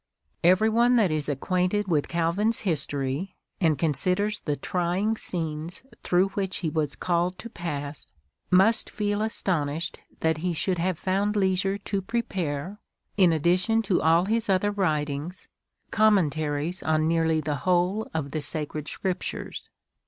Every one that is acquainted with Calvin's history, and considers the trying scenes through which he was called to pass, must feel astonished that he should have found leisure to prepare, in addition to all his other writings, Commen taries on nearly the whole of the Sacred Scriptures.